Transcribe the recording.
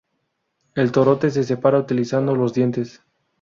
El torote se separa utilizando los dientes.